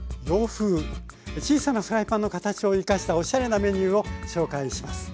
小さなフライパンの形を生かしたおしゃれなメニューを紹介します。